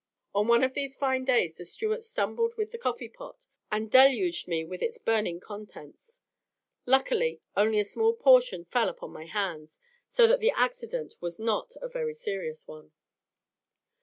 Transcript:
On one of these fine days the steward stumbled with the coffee pot, and deluged me with its burning contents. Luckily, only a small portion fell upon my hands, so that the accident was not a very serious one.